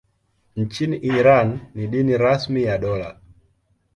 Nchini Iran ni dini rasmi ya dola.